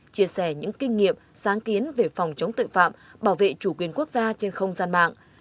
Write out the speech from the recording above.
chia sẻ những kinh nghiệm sáng kiến về phòng chống tội phạm bảo vệ chủ quyền quốc gia trên không gian mạng